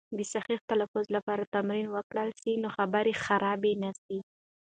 د صحیح تلفظ لپاره تمرین وکړل سي، نو خبرې خرابې نه سي.